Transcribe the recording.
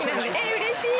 うれしい！